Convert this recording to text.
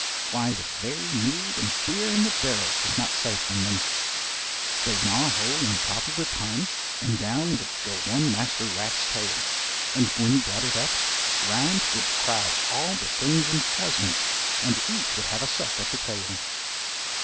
Why the very mead and beer in the barrels was not safe from them. They'd gnaw a hole in the top of the tun, and down would go one master rat's tail, and when he brought it up round would crowd all the friends and cousins, and each would have a suck at the tail.